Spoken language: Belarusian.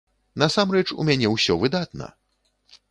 Насамрэч, у мяне ўсё выдатна!